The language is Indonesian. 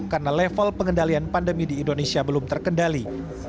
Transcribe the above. karena level pengendalian pandemi di indonesia belum terkendali